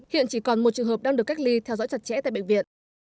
hiện chỉ còn một trường hợp đang được cách ly theo dõi chặt chẽ tại bệnh viện